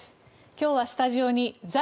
今日はスタジオに在